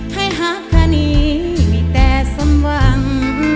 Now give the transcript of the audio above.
ให้หาคณีมีแต่สมวัง